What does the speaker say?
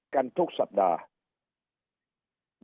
กันทุกสัปดาห์